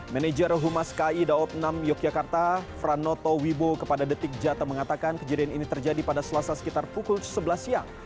manager humas ki daob enam yogyakarta franoto wibowo kepada detik jatah mengatakan kejadian ini terjadi pada selasa sekitar pukul sebelas siang